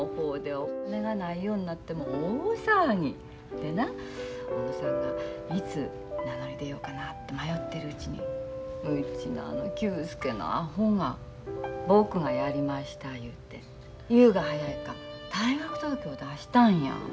でな小野さんがいつ名乗り出ようかなて迷ってるうちにうちのあの久助のアホが「僕がやりました」言うて言うが早いか退学届を出したんや。